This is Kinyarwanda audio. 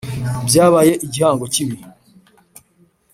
Byabaye igihango kibi